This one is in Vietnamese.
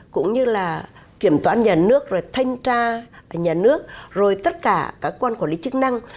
cũng như kiểm toán nhà nước thanh tra nhà nước rồi tất cả các quân quản lý chức năng